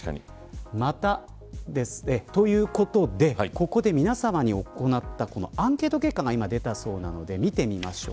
ここで皆さまに行ったアンケート結果が出たそうなので見てみましょう。